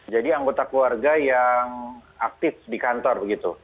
jadi anggota keluarga yang aktif di kantor